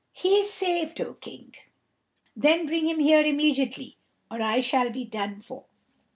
"He is saved, O King." "Then bring him here immediately, or else I shall be done for."